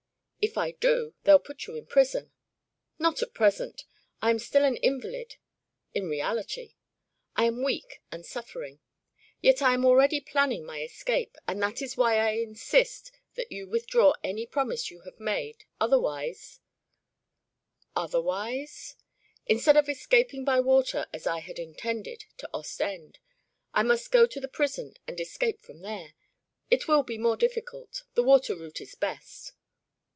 "If I do, they'll put you in prison." "Not at present. I am still an invalid. In reality. I am weak and suffering. Yet I am already planning my escape, and that is why I insist that you withdraw any promise you have made. Otherwise " "Otherwise?" "Instead of escaping by water, as I had intended, to Ostend, I must go to the prison and escape from there. It will be more difficult. The water route is best."